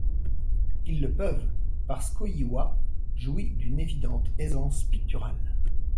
Ils le peuvent parce qu´Oiwa jouit d´une évidente aisance picturale.